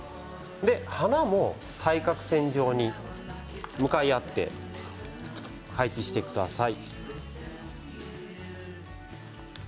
花も対角線上に向かい合って配置してください。